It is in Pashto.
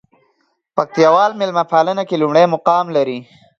پکتياوال ميلمه پالنه کې لومړى مقام لري.